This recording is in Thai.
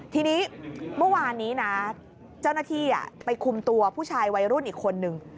ทีนี้เมื่อวานนี้นะเจ้าหน้าที่ไปคุมตัวผู้ชายวัยรุ่นอีกคนนึง